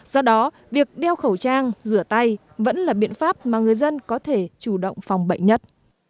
do đó việc đeo khẩu trang rửa tay vẫn là biện pháp mà người dân có thể chủ động phòng bệnh nhất